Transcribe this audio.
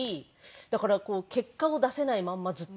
だから結果を出せないまんまずっと。